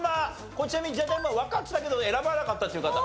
これちなみにじゃじゃ馬わかってたけど選ばなかったっていう方。